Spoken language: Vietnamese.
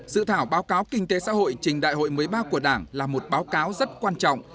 sự thảo báo cáo kinh tế xã hội trình đại hội mới ba của đảng là một báo cáo rất quan trọng